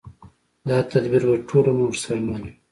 دا تدبير به ټول عمر ورسره مل وي.